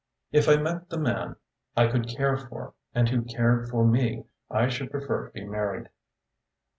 If I met the man I could care for and who cared for me, I should prefer to be married."